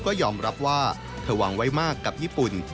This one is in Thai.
ก็ยอมรับว่าเธอหวังไว้มากกับญี่ปุ่น